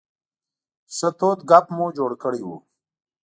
ښه تود ګپ مو جوړ کړی و.